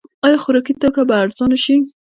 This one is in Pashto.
آیا خوراکي توکي به ارزانه شي؟